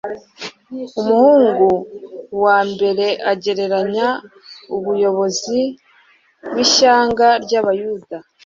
Umuhungu wa mbere agereranya abayobozi b’ishyanga ry’abayuda.